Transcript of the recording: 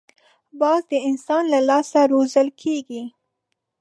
باز د انسان له لاس روزل کېږي